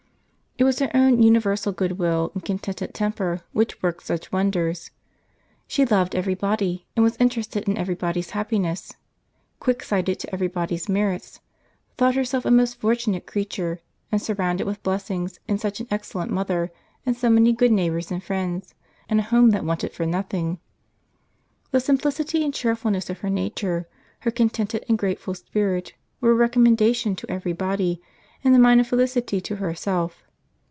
It was her own universal good will and contented temper which worked such wonders. She loved every body, was interested in every body's happiness, quicksighted to every body's merits; thought herself a most fortunate creature, and surrounded with blessings in such an excellent mother, and so many good neighbours and friends, and a home that wanted for nothing. The simplicity and cheerfulness of her nature, her contented and grateful spirit, were a recommendation to every body, and a mine of felicity to herself.